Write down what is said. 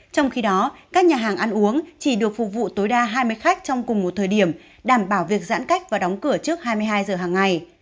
trong khi đó các nhà hàng ăn uống chỉ được phục vụ tối đa hai mươi khách trong cùng một thời điểm đảm bảo việc giãn cách và đóng cửa trước hai mươi hai giờ hàng ngày